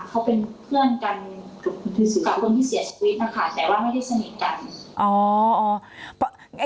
เขาเป็นเพื่อนกันกับคุณคือสุขะคนที่เสียชีวิตนะคะแต่ว่าไม่ได้สนิทกัน